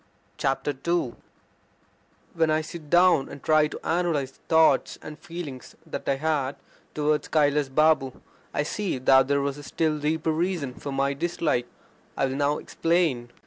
II When I sit down and try to analyse the thoughts and feelings that I had towards Kailas Babu I see that there was a still deeper reason for my dislike. I will now explain.